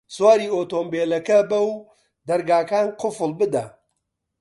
سواری ئۆتۆمبێلەکە بە و دەرگاکان قوفڵ بدە.